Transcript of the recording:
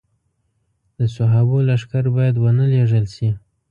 د صحابو لښکر باید ونه لېږل شي.